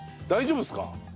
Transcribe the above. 大丈夫ですか？